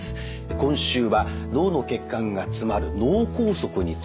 今週は脳の血管が詰まる脳梗塞について。